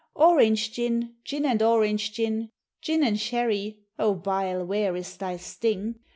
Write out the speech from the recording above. Orange gin, gin and orange gin, gin and sherry (O bile where is thy sting?)